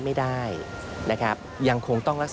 พบหน้าลูกแบบเป็นร่างไร้วิญญาณ